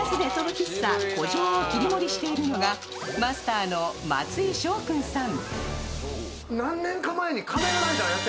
喫茶古城を切り盛りしているのがマスターの松井祥訓さん。